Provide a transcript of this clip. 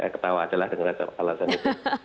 ketawa aja lah denger alasan itu